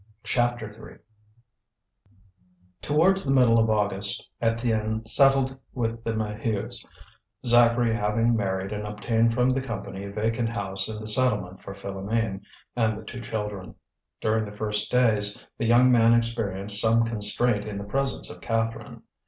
CHAPTER III Towards the middle of August, Étienne settled with the Maheus, Zacharie having married and obtained from the Company a vacant house in the settlement for Philoméne and the two children. During the first days, the young man experienced some constraint in the presence of Catherine.